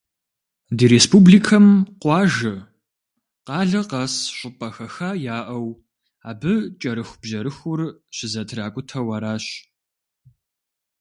Ди республикэм къуажэ, къалэ къэс щӏыпӏэ хэха яӏэу, абы кӏэрыхубжьэрыхур щызэтракӏутэу аращ.